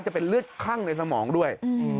จะเป็นเลือดคั่งในสมองด้วย